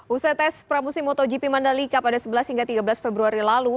usai tes pramusim motogp mandalika pada sebelas hingga tiga belas februari lalu